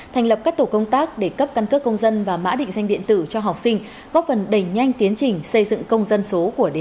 thành lập các tổ công tác để cấp căn cước công dân và mã định danh điện tử cho học sinh góp phần đẩy nhanh tiến trình xây dựng công dân số của đề án